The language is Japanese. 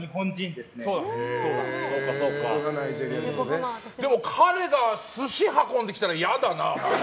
でも、彼が寿司運んで来たら嫌だな。